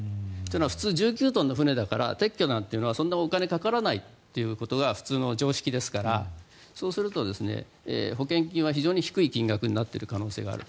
普通、１９トンの船だから撤去なんてのはそんなにお金がかからないというのが普通の常識ですからそうすると保険金は非常に低い金額になっている可能性がある。